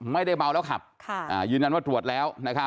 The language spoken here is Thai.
ไม่ได้เมาแล้วขับยืนยันว่าตรวจแล้ว